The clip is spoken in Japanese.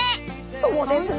そうですね。